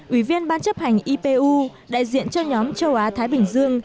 ủy viên ban chấp hành ipu đại diện cho nhóm châu á thái bình dương